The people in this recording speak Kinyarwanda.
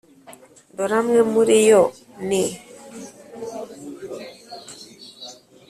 dore amwe muri yo ni